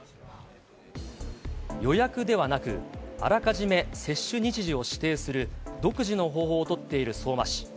予約ではなく、あらかじめ接種日時を指定する独自の方法を取っている相馬市。